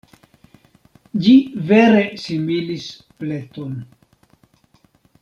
Ĝi vere similis pleton.